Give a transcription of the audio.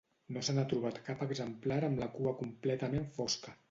No se n'ha trobat cap exemplar amb la cua completament fosca.